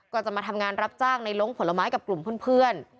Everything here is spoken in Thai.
ก็จะมาทำงานรับจ้างในล้งผลไม้กับกลุ่มเพื่อน